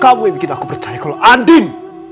kamu yang bikin aku percaya kalau andin